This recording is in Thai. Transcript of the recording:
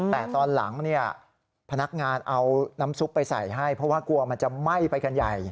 แต่ตอนหลังเนี่ยพนักงานเอาน้ำซุปไปใส่ให้เพราะว่ากลัวมันจะไหม้ไปกันใหญ่